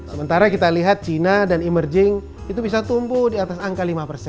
sementara kita lihat china dan emerging itu bisa tumbuh di atas angka lima persen